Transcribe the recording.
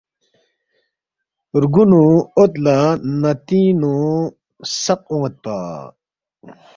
رگونو اوت لا ناتینگنو سق اونید پا